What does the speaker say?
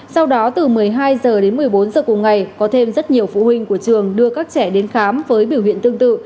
sau đó từ một mươi hai h đến một mươi bốn h cùng ngày có thêm rất nhiều phụ huynh của trường đưa các trẻ đến khám với biểu hiện tương tự